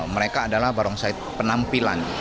mereka adalah barongsai penampilan